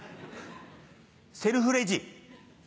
セルフレジ。